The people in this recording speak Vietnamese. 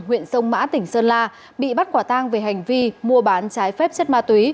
huyện sông mã tỉnh sơn la bị bắt quả tang về hành vi mua bán trái phép chất ma túy